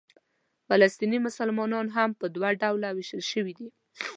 فلسطیني مسلمانان هم په دوه ډوله وېشل شوي دي.